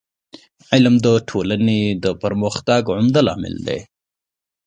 علم د ټولني د پرمختګ عمده لامل دی.